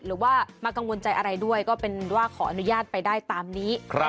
หรือว่ามากังวลใจอะไรด้วยก็เป็นว่าขออนุญาตไปได้ตามนี้